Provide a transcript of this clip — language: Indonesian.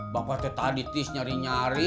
bapak tetah di nyari nyari